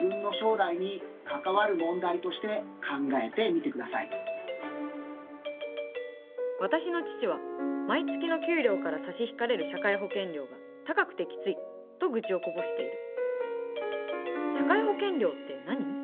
それでは皆さんも私の父は「毎月の給料から差し引かれる社会保険料が高くてきつい」と愚痴をこぼしている。